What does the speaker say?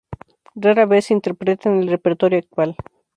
Rara vez se interpreta en el repertorio actual.